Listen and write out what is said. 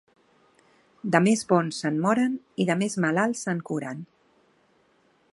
De més bons se'n moren i de més malalts se'n curen.